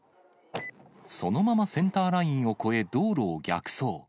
そのままセンターラインを越え、道路を逆走。